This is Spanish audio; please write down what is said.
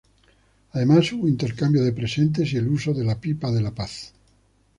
Además hubo intercambio de presentes, y el uso de la pipa de la paz.